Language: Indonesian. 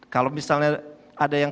kalau misalnya ada yang